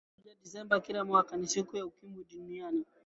tarehe moja desemba kila mwaka ni siku ya ukimwi duniani